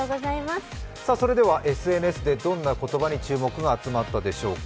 ＳＮＳでどんな言葉に注目が集まったでしょうか。